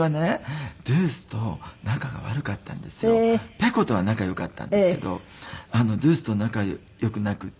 ペコとは仲良かったんですけどドゥースと仲良くなくって。